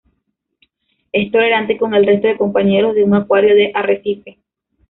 Es tolerante con el resto de compañeros de un acuario de arrecife.